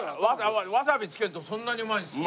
わさびつけるとそんなにうまいんですか？